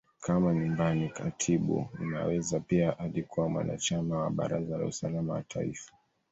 Kama Nyumbani Katibu, Inaweza pia alikuwa mwanachama wa Baraza la Usalama wa Taifa.